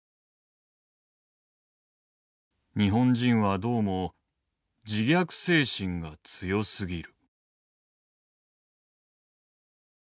「日本人はどうも自虐精神が強すぎる」。